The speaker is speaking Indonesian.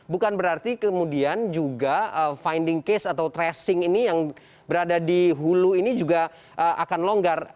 bukan berarti kemudian juga finding case atau tracing ini yang berada di hulu ini juga akan longgar